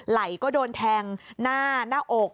ไหล่ก็โดนแทงหน้าหน้าอก